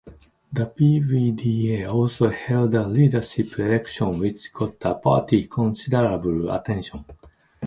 The PvdA also held a leadership election which got the party considerable attention.